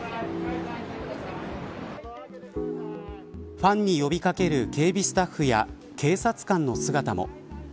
ファンに呼び掛ける警備スタッフや警察官の姿も。